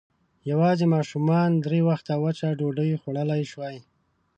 يواځې ماشومانو درې وخته وچه ډوډۍ خوړلی شوای.